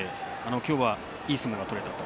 今日はいい相撲が取れたと。